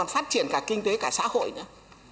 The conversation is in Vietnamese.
phát triển cả kinh tế cả xã hội nữa